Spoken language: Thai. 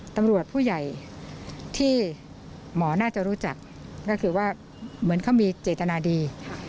ตำรวจผู้ใหญ่ที่หมอน่าจะรู้จักก็คือว่าเหมือนเขามีเจตนาดี